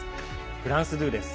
フランス２です。